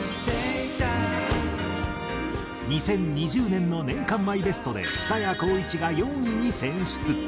２０２０年の年間マイベストで蔦谷好位置が４位に選出。